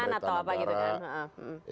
di masuk ke dalam lembaran berita negara